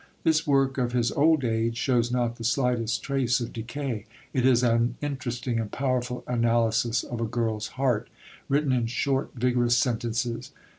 This work of his old age shows not the slightest trace of decay. It is an interesting and powerful analysis of a girl's heart, written in short, vigorous sentences.